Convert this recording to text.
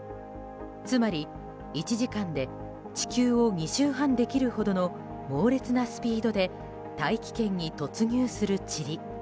つまり１時間で地球を２周半できるほどの猛烈なスピードで大気圏に突入するちり。